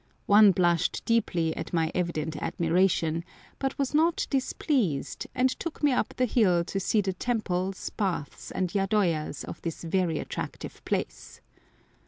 One blushed deeply at my evident admiration, but was not displeased, and took me up the hill to see the temples, baths, and yadoyas of this very attractive place.